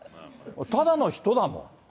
ただの人だもん。